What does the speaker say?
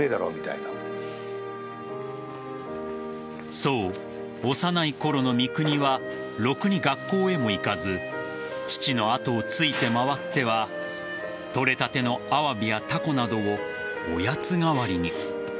そう、幼いころの三國はろくに学校へも行かず父の後をついて回ってはとれたてのアワビやタコなどをおやつ代わりに。